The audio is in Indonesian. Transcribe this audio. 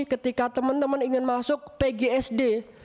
ketika teman teman ingin masuk pgsd